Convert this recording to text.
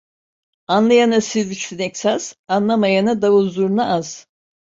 Anlayana sivrisinek saz, anlamayana davul zurna az.